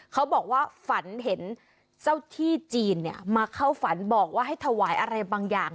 เขาบอกว่าฝันเห็นเจ้าที่จีนมาเข้าฝันบอกว่าให้ถวายอะไรบางอย่าง